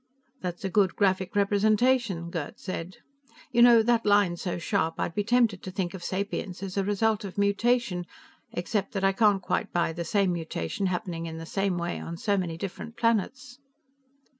"That's a good graphic representation," Gerd said. "You know, that line's so sharp I'd be tempted to think of sapience as a result of mutation, except that I can't quite buy the same mutation happening in the same way on so many different planets."